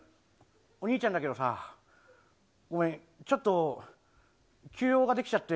お兄ちゃんだけどさ、ごめん、ちょっと急用ができちゃって。